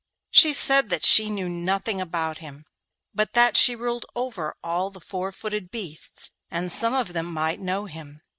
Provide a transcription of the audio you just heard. She said that she knew nothing about him, but that she ruled over all the four footed beasts, and some of them might know him.